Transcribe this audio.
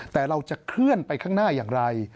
แต่เราจะเคลื่อนไปข้างหน้าอย่างไร